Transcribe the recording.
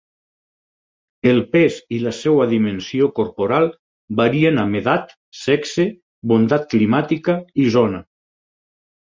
El pes i la seva dimensió corporal varien amb edat, sexe, bondat climàtica, i zona.